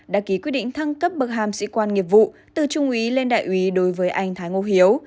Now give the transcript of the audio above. đã ký quyết định thăng cấp bậc hàm sĩ quan nghiệp vụ từ trung úy lên đại úy đối với anh thái ngô hiếu